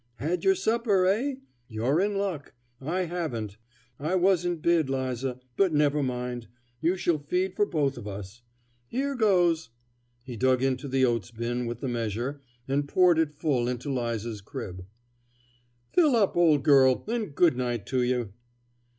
Had your supper, eh? You're in luck. I haven't; I wasn't bid, 'Liza; but never mind. You shall feed for both of us. Here goes!" He dug into the oats bin with the measure, and poured it full into 'Liza's crib. "Fill up, old girl! and good night to you."